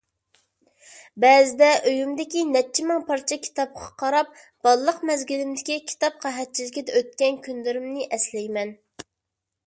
بەزىدە ئۆيۈمدىكى نەچچە مىڭ پارچە كىتابقا قاراپ بالىلىق مەزگىلىمدىكى كىتاب قەھەتچىلىكىدە ئۆتكەن كۈنلىرىمنى ئەسلەيمەن.